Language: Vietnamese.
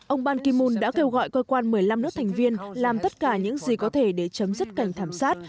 ông ban kim mun đã kêu gọi cơ quan một mươi năm nước thành viên làm tất cả những gì có thể để chấm dứt cảnh thảm sát